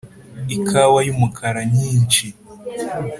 ikawa yumukara nyinshi